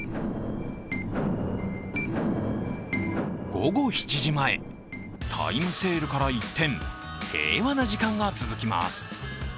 午後７時前、タイムセールから一転、平和な時間が続きます。